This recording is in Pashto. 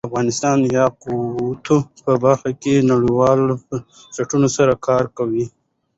افغانستان د یاقوت په برخه کې نړیوالو بنسټونو سره کار کوي.